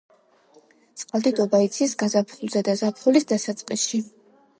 წყალდიდობა იცის გაზაფხულზე და ზაფხულის დასაწყისში.